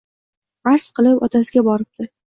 Arz qilib otasiga boribdi.